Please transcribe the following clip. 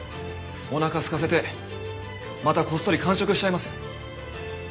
おなかすかせてまたこっそり間食しちゃいますよ。